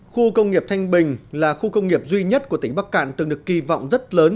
khu công nghiệp thanh bình là khu công nghiệp duy nhất của tỉnh bắc cạn từng được kỳ vọng rất lớn